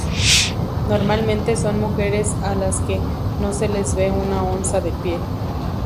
Normalmente son mujeres alas que no se les ve una onza de piel.